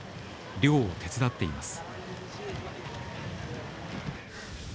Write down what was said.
漁を手伝っています。